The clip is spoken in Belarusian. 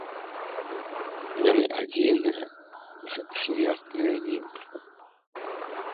Яны адзіныя з смертныя німфы.